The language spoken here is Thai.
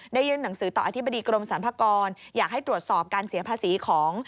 ยื่นหนังสือต่ออธิบดีกรมสรรพากรอยากให้ตรวจสอบการเสียภาษีของ